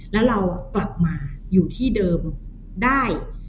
แล้วเรากลับมาอยู่ที่เดิมได้